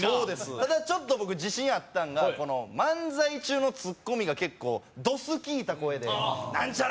ただちょっと僕自信あったんが漫才中のツッコミが結構どす聞いた声で何ちゃら